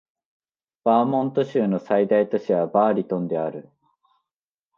バーモント州の最大都市はバーリントンである